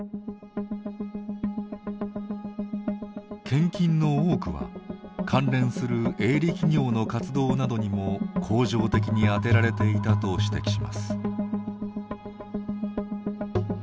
献金の多くは関連する営利企業の活動などにも恒常的に充てられていたと指摘します。